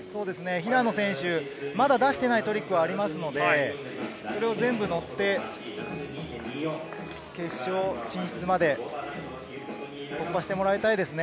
平野選手、まだ出してないトリックがありますので、それを全部のって、決勝進出まで突破してもらいたいですね。